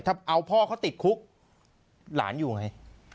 ถ้าเอาพ่อเขาติดคุกหลานอยู่ไง